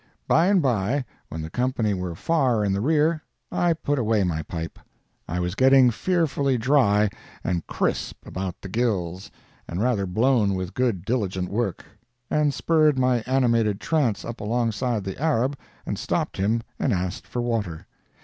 By and by, when the company were far in the rear, I put away my pipe—I was getting fearfully dry and crisp about the gills and rather blown with good diligent work—and spurred my animated trance up alongside the Arab and stopped him and asked for water.